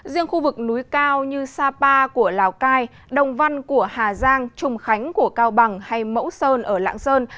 riêng khu vực núi cao như sapa của lào cai đồng văn của hà giang trung khánh của cao bằng hay mẫu sơn ở lạng sơn